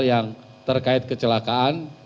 yang terkait kecelakaan